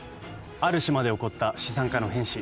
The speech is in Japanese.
ある島で起こった資産家の変死。